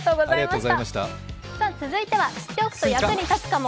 続いては知っておくと役に立つかも。